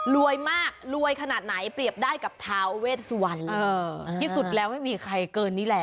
รวยมากรวยขนาดไหนเปรียบได้กับท้าเวสวรรณที่สุดแล้วไม่มีใครเกินนี้แหละ